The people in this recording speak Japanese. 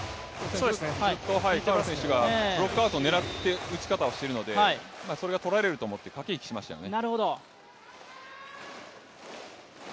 そうですね、ずっとブロックアウトを狙った打ち方をしているのでそれが取られると思って駆け引きをしましたよね。